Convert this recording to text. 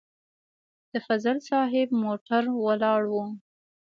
د فضل صاحب موټر ولاړ و.